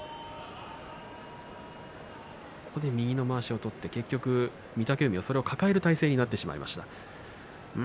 右のまわしを取って、御嶽海はそれを抱える体勢になってしまいました。